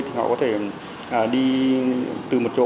thì họ có thể đi từ một chỗ